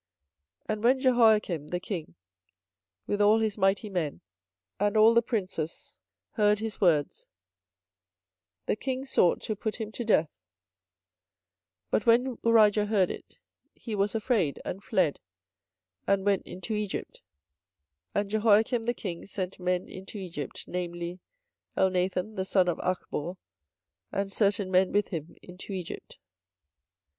24:026:021 And when Jehoiakim the king, with all his mighty men, and all the princes, heard his words, the king sought to put him to death: but when Urijah heard it, he was afraid, and fled, and went into Egypt; 24:026:022 And Jehoiakim the king sent men into Egypt, namely, Elnathan the son of Achbor, and certain men with him into Egypt.